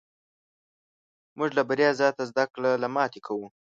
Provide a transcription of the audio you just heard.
موږ له بریا زیاته زده کړه له ماتې کوو.